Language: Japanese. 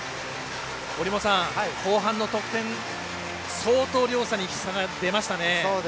折茂さん、後半の得点相当、両者に差が出ましたね。